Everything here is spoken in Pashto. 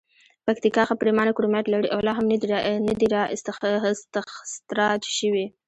پکتیکا ښه پریمانه کرومایټ لري او لا هم ندي را اختسراج شوي.